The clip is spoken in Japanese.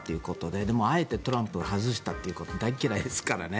でもあえてトランプを外したということで大嫌いですからね。